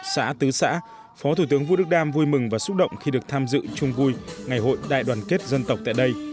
xã tứ xã phó thủ tướng vũ đức đam vui mừng và xúc động khi được tham dự chung vui ngày hội đại đoàn kết dân tộc tại đây